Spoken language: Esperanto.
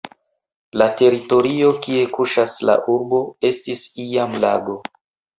La teritorio kie kuŝas la urbo estis iam lago.